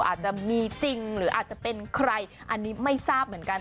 อาจจะมีจริงหรืออาจจะเป็นใครอันนี้ไม่ทราบเหมือนกัน